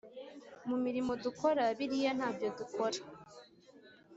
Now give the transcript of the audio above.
mu murimo dukora biriya ntabyo dukora